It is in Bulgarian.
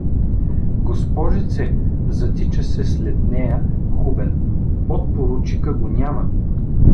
— Госпожице! — затича се след нея Хубен. — Подпоручика го няма.